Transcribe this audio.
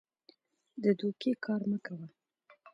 د دوکې کار مه کوه.